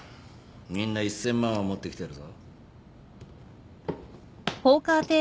みんな１，０００万は持ってきてるぞ。